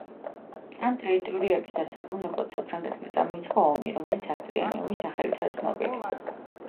ამ ტერიტორიების დასაბრუნებლად საფრანგეთმა წამოიწყო ომი რომელიც ასწლიანი ომის სახელითაა ცნობილი.